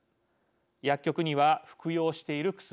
薬局には服用している薬。